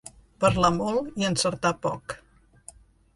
Parlar molt i encertar poc.